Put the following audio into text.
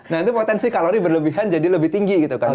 nah itu potensi kalori berlebihan jadi lebih tinggi gitu kan